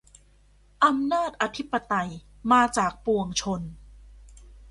อำนาจอธิปไตยมาจากปวงชน